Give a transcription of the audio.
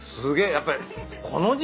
やっぱり。